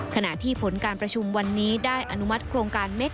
ขณะที่ผลการประชุมวันนี้ได้อนุมัติโครงการเม็ด